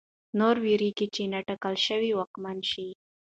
نور وېرېږي چې نا ټاکل شوی واکمن شي.